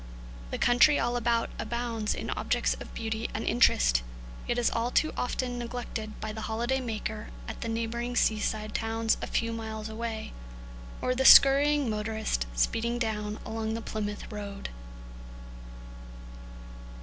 The country all about abounds in objects of beauty and interest, yet is all too often neglected by the holiday maker at the neighbouring seaside towns a few miles away, or the scurrying motorist speeding down along the Plymouth road.